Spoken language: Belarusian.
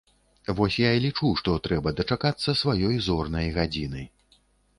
Вось і я лічу, што трэба дачакацца сваёй зорнай гадзіны.